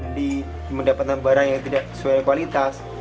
mendapatkan barang yang tidak sesuai kualitas